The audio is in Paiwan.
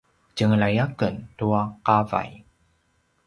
tjengelay aken tua qavay